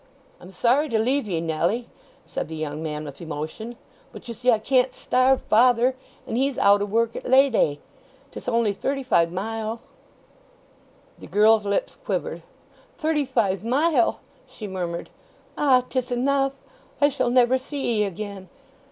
"I'm sorry to leave ye, Nelly," said the young man with emotion. "But, you see, I can't starve father, and he's out o' work at Lady day. 'Tis only thirty five mile." The girl's lips quivered. "Thirty five mile!" she murmured. "Ah! 'tis enough! I shall never see 'ee again!"